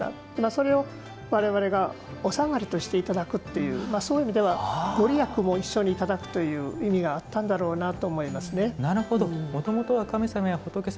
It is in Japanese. それを我々がお下がりとしていただくというそういう意味では御利益も一緒にいただくという意味があったんだろうなと思います。